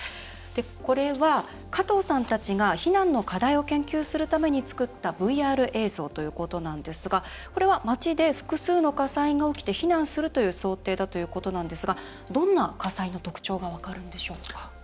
これは加藤さんたちが避難の課題を研究するために作ったＶＲ映像ということなんですがこれは街で複数の火災が起きて避難するという想定だということなんですがどんな火災の特徴が分かるんでしょうか？